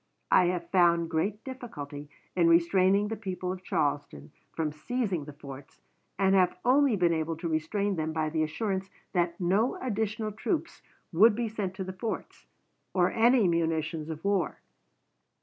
I have found great difficulty in restraining the people of Charleston from seizing the forts, and have only been able to restrain them by the assurance that no additional troops would be sent to the forts, or any munitions of war....